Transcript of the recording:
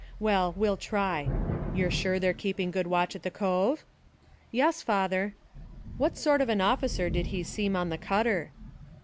Well, we'll try. You're sure they're keeping good watch at the cove?" "Yes, father." "What sort of an officer did he seem on the cutter?"